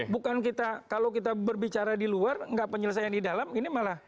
bukan kita kalau kita berbicara di luar nggak penyelesaian di dalam ini malah